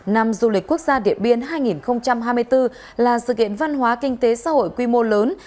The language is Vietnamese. năm du lịch quốc gia điện biên hai nghìn hai mươi bốn là sự kiện văn hóa kinh tế xã hội quy mô lớn